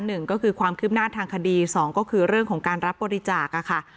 หนึ่งก็คือความคืบหน้าทางคดีสองก็คือเรื่องของการรับบริจาคค่ะ